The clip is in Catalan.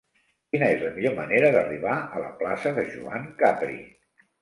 Quina és la millor manera d'arribar a la plaça de Joan Capri?